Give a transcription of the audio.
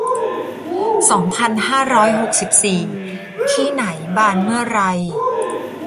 สองพันห้าร้อยหกสิบสี่ ที่ไหนบานเมื่อไร